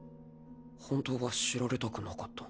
本当は知られたくなかった。